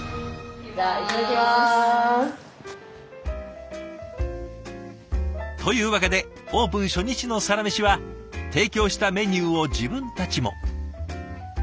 いただきます！というわけでオープン初日のサラメシは提供したメニューを自分たちも。